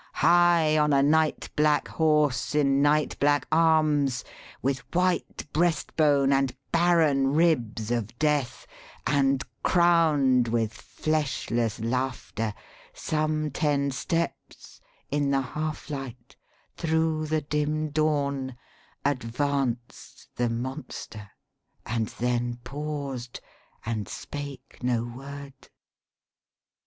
High on a nightblack horse, in nightblack arms, With white breast bone, and barren ribs of Death, And crown'd with fleshless laughter some ten steps In the half light thro' the dim dawn advanced The monster, and then paused, and spake no word.